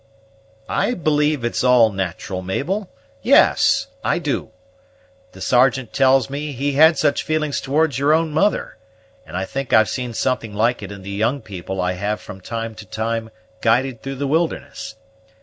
"I believe it's all nat'ral, Mabel, yes; I do: the Sergeant tells me he had such feelings towards your own mother, and I think I've seen something like it in the young people I have from time to time guided through the wilderness.